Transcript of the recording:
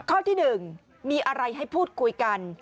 ข้อที่๑มีอะไรให้พูดคุยกัน